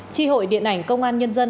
chi hội điện ảnh công an nhân dân